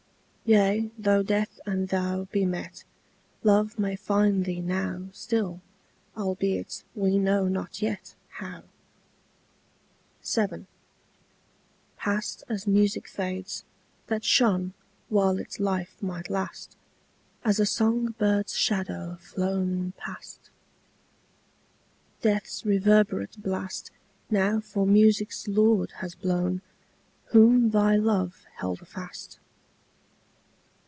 Yea, though death and thou be met, Love may find thee now Still, albeit we know not yet How. VII. Past as music fades, that shone While its life might last; As a song bird's shadow flown Past! Death's reverberate blast Now for music's lord has blown Whom thy love held fast.